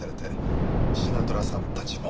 シナトラさんたちも。